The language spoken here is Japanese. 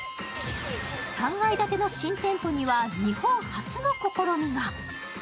３階建ての新店舗には日本初の試みが。